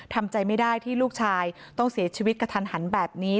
ทำใจไม่ได้ที่ลูกชายต้องเสียชีวิตกระทันหันแบบนี้